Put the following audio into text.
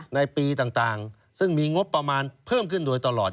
ในปีต่างซึ่งมีงบประมาณเพิ่มขึ้นโดยตลอด